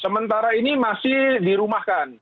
sementara ini masih dirumahkan